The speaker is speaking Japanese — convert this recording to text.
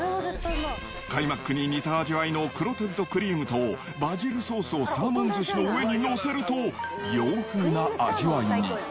カイマックに似た味わいのクロテッドクリームとバジルソースをサーモン寿司の上に載せると、洋風な味わいに。